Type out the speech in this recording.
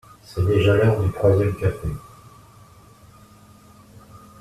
C’est déjà l’heure du troisième café.